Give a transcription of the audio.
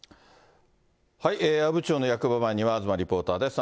阿武町の役場前には東リポーターです。